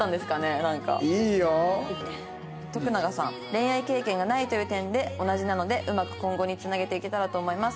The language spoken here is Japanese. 「恋愛経験がないという点で同じなのでうまく今後につなげていけたらと思います」